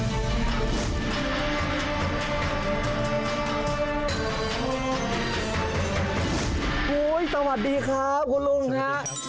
โอ้โหสวัสดีครับคุณลุงครับ